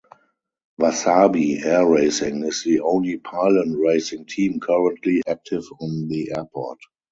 Wasabi Air Racing is the only pylon racing team currently active on the airport.